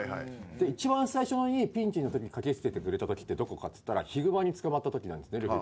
一番最初にピンチのとき駆け付けてくれたときってどこかっつったらヒグマに捕まったときなんですルフィが。